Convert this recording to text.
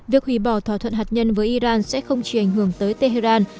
việc hủy bỏ thỏa thuận hạt nhân với iran sẽ không chỉ ảnh hưởng tới tehran